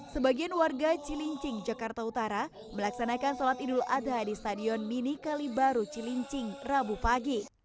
sebagian warga cilincing jakarta utara melaksanakan sholat idul adha di stadion mini kalibaru cilincing rabu pagi